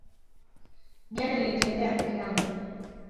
Jana nilitembea peke yangu